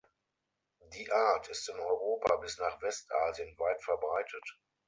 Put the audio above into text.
Die Art ist in Europa bis nach Westasien weit verbreitet.